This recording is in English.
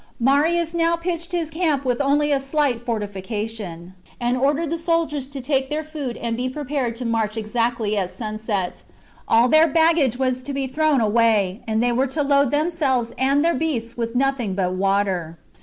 Marius now pitched his camp with only a slight fortification, and ordered the soldiers to take their food and be prepared to march exactly at sunset ; all their baggage was to be thrown away, and they were to load themselves and their beasts with nothing but water.